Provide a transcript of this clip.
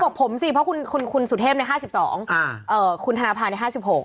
บอกผมสิเพราะคุณสุเทพใน๕๒คุณธนภา๕๖